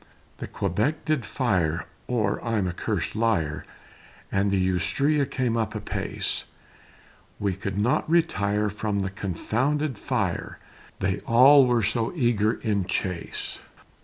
The Quebec did fire, Or I'm a curs'd liar, And the Astrea came up apace; We could not retire From the confounded fire, They all were so eager in chase.